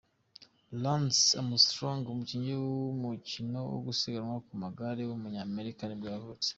Lance Armstrong, umukinnyi w’umukino wo gusiganwa ku magare w’umunyamerika nibwo yavutse.